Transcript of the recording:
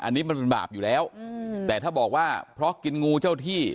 อันนี้มันบาปอยู่แล้วแต่ถ้าบอกว่าเพราะกินงูเจ้าที่